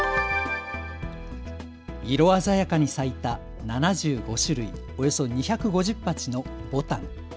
色鮮やかに咲いた７５種類、およそ２５０鉢のぼたん。